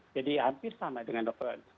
jadi hampir sama dengan lockdown